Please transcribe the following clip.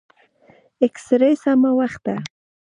اكسرې سمه وخته.